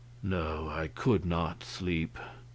No, I could not sleep.